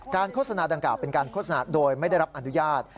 โฆษณาดังกล่าเป็นการโฆษณาโดยไม่ได้รับอนุญาต